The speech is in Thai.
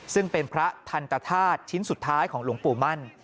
ซึ่งเป็นพระทันตธาตุชิ้นสุดท้ายของหลวงปู่มั่น